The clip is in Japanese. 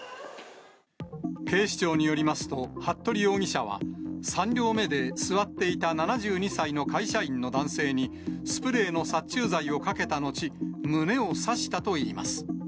警視庁によりますと、服部容疑者は、３両目で座っていた７２歳の会社員の男性にスプレーの殺虫剤をかけた後、胸を刺したといいます。